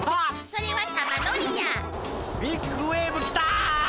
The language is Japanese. それは玉乗りや！ビッグウエーブ来た！